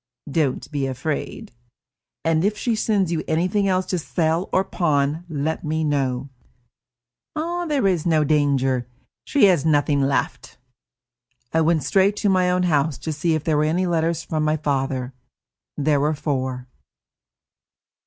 "Don't be afraid." "And if she sends you anything else to sell or pawn, let me know." "There is no danger. She has nothing left." I went straight to my own house to see if there were any letters from my father. There were four.